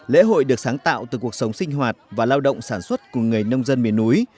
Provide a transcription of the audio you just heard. lễ hội được sáng tạo từ cuộc sống sinh hoạt và lao động sản xuất của người nông dân miền núi